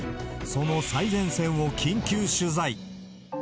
その最前線を緊急取材。